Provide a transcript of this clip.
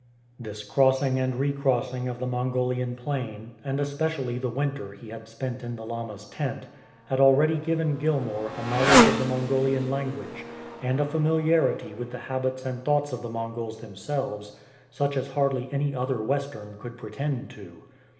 This crossing and recrossing of the Mongolian plain, and especially the winter he had spent in the lama'*s tent, had already given Gilmour a knowledge of the Mongolian language, and a familiarity with the habits and thoughts of the Mongols themselves, such as hardly any other Western could pretend to.